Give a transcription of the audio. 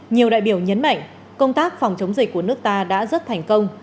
nhiều đại biểu nhấn mạnh công tác phòng chống dịch của nước ta đã rất thành công